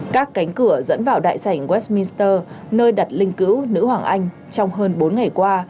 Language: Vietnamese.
các cánh cửa dẫn vào đại sảnh westminster nơi đặt linh cữu nữ hoàng anh trong hơn bốn ngày qua